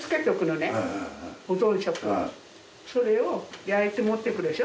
それを焼いて持っていくでしょ？